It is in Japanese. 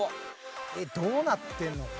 どうなってるの？